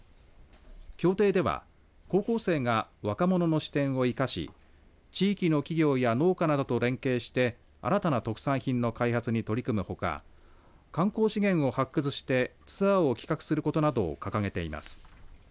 協定では高校生が若者の視点を生かし地域の企業や農家などと連携して新たな特産品の開発に取り組むほか観光資源を発掘してツアーを企画することなどを掲げています。